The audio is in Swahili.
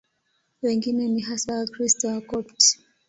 Wengine ni hasa Wakristo Wakopti.